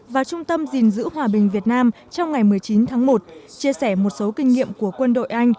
và trung tâm gìn giữ hòa bình việt nam trong ngày một mươi chín tháng một chia sẻ một số kinh nghiệm của quân đội anh